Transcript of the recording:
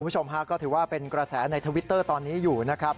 คุณผู้ชมฮะก็ถือว่าเป็นกระแสในทวิตเตอร์ตอนนี้อยู่นะครับ